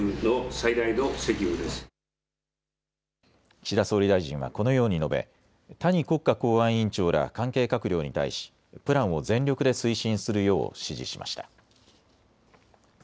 岸田総理大臣はこのように述べ谷国家公安委員長ら関係閣僚に対しプランを全力で推進するよう指示しました。